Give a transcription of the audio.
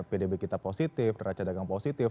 pdb kita positif raca dagang positif